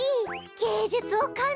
げいじゅつをかんじるわ！